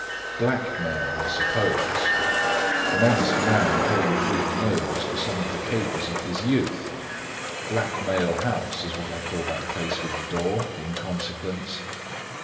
Blackmail, I suppose; an honest man paying through the nose for some of the capers of his youth. Black Mail House is what I call the place with the door, in consequence.